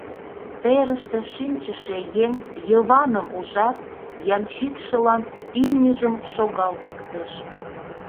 Терыште шинчыше еҥ Йываным ужат, ямщикшылан имньыжым шогалтыктыш.